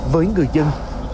với người dân những chuyến tàu